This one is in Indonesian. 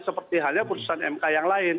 seperti halnya putusan mk yang lain